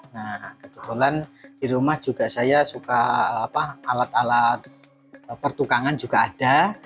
nah kebetulan di rumah juga saya suka alat alat pertukangan juga ada